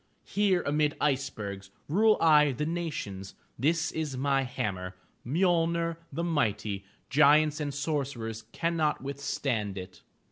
Here amid icebergs, Rule I the nations; This is my hammer, Mjolner, the mighty; Giants and sorcerers Cannot withstand it!